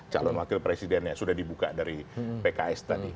calon wakil presidennya sudah dibuka dari pks tadi